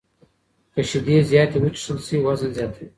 که شیدې زیاتې وڅښل شي، وزن زیاتوي.